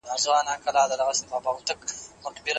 زما ورور له ما څخه په منډه کې ډېر چټک دی.